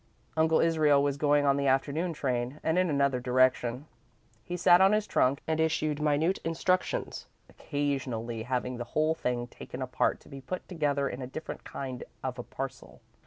Uncle Israel was going on the afternoon train, and in another direction. He sat on his trunk and issued minute instructions, occasionally having the whole thing taken apart to be put together in a different kind of a parcel.